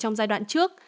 trong giai đoạn trước